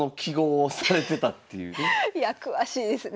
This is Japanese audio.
いや詳しいですね。